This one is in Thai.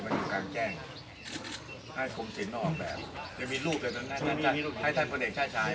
ด้วยประสงค์ถ้าร่ะอุ้งต้องกินแล้วแล้วอุ้งสิ่งตัวเนี่ย